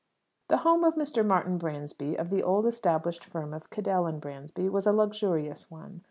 The home of Mr. Martin Bransby, of the old established firm of Cadell and Bransby, was a luxurious one.